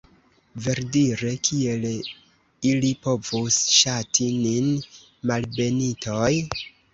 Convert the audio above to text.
Verdire, kiel ili povus ŝati nin, malbenitoj?